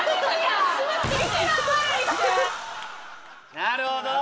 なるほど！